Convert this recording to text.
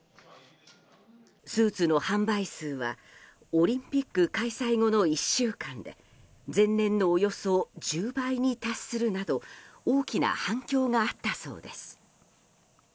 スーツの販売数はオリンピック開催後の１週間で前年のおよそ１０倍に達するなど大きな反響があったそうです。